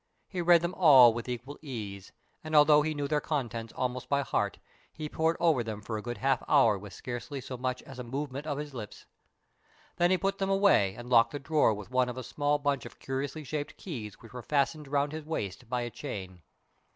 He read them all with equal ease, and although he knew their contents almost by heart, he pored over them for a good half hour with scarcely so much as a movement of his lips. Then he put them away and locked the drawer with one of a small bunch of curiously shaped keys which were fastened round his waist by a chain.